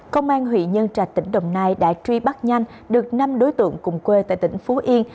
công an huyện nhân trạch tỉnh đồng nai đã truy bắt nhanh được năm đối tượng cùng quê tại tỉnh phú yên